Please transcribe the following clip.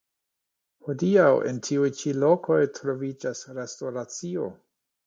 Hodiaŭ en tiuj ĉi lokoj troviĝas restoracio.